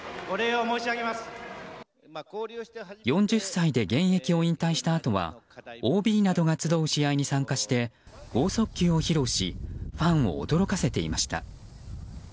４０歳で現役を引退したあとはＯＢなどが集う試合に参加して豪速球を披露しファンを驚かせていました。